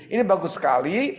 ini bagus sekali